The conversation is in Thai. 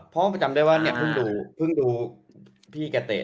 เพราะจำได้ว่าเพิ่งดูพี่กับเตะ